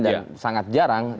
dan sangat jarang